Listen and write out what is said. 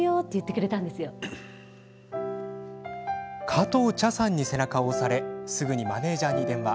加藤茶さんに背中を押されすぐにマネージャーに電話。